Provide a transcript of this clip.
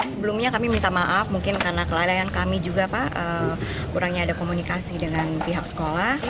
sebelumnya kami minta maaf mungkin karena kelalaian kami juga pak kurangnya ada komunikasi dengan pihak sekolah